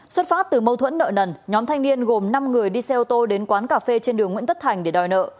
xuất phát từ mâu thuẫn nợ nần nhóm thanh niên gồm năm người đi xe ô tô đến quán cà phê trên đường nguyễn tất thành để đòi nợ